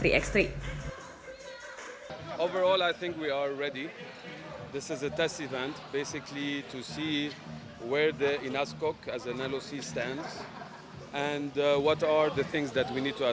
kita telah berbicara tentang banyak hal saya akan membuat laporan ke inas gok